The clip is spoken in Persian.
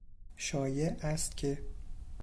شایع است که...